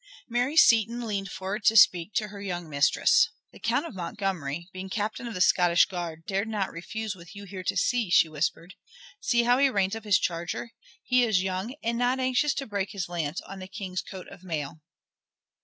Mary Seton leaned forward to speak to her young mistress. "The Count of Montgomery, being Captain of the Scottish Guard, dared not refuse, with you here to see," she whispered. "See how he reins up his charger. He is young, and not anxious to break his lance on the King's coat of mail."